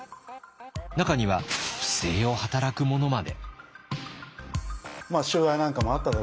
中には不正を働く者まで。